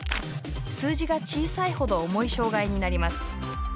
数字が小さいほど重い障がいになります。